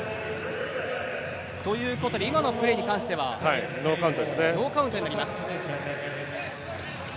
ということで今のプレーに関しては。ノーカウントになります。